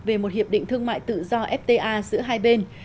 về một hiệp định thương mại tự do fta giữa hai bên